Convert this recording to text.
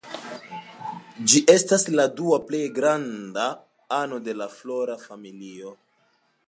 Ĝi estas la dua plej granda ano de la Flora familio.